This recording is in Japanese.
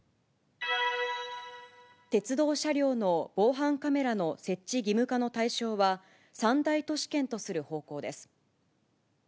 鉄道車両の防犯カメラの設置義務化の対象は、三大都市圏とする方向です。